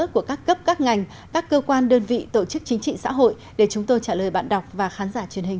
của các cấp các ngành các cơ quan đơn vị tổ chức chính trị xã hội để chúng tôi trả lời bạn đọc và khán giả truyền hình